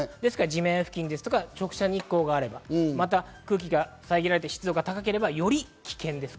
地面や直射日光があれば、また空気が遮られて、湿度が高ければより危険です。